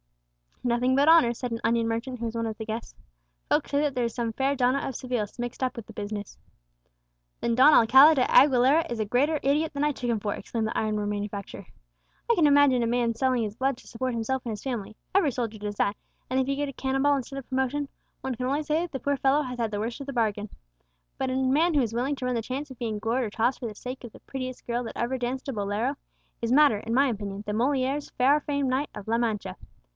"Nothing but honour," said an onion merchant who was one of the guests. "Folk say that there is some fair donna of Seville mixed up with the business." "Then Don Alcala de Aguilera is a greater idiot than I took him for!" exclaimed the ironware manufacturer. "I can imagine a man's selling his blood to support himself and his family; every soldier does that, and if he get a cannon ball instead of promotion, one can only say that the poor fellow has had the worst of the bargain. But a man who is willing to run the chance of being gored or tossed for the sake of the prettiest girl that ever danced a bolero, is madder, in my opinion, than Molière's far famed knight of La Mancha.